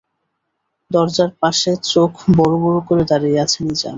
দরজার পাশে চোখ বড়-বড় করে দাঁড়িয়ে আছে নিজাম।